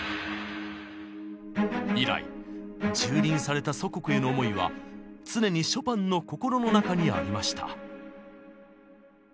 以来蹂躙された祖国への思いは常にショパンの心の中にありました。